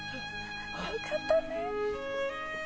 よかったね。